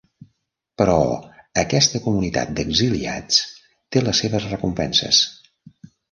Però aquesta comunitat d'exiliats té les seves recompenses.